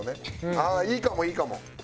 ああいいかもいいかも。